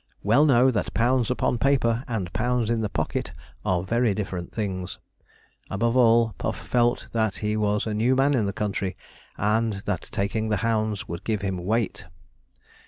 well know that pounds upon paper and pounds in the pocket are very different things. Above all Puff felt that he was a new man in the country, and that taking the hounds would give him weight.